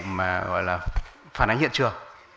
mà gọi là phản ánh hiện trường